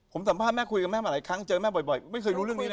ผมสัมภาษณ์คุยมานะภัยครั้งเจอแม่บ่อยไม่เคยรู้เรื่องนี้เนอะ